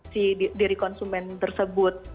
si diri konsumen tersebut